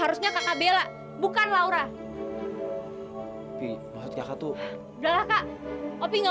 ternyata kita udah hancurin mobilnya